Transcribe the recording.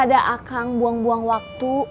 buang buang buang waktu